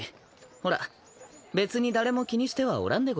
ほら別に誰も気にしてはおらんでござるよ。